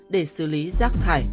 để xử lý rác thải